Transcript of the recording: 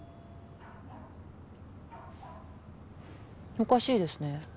おかしいですね。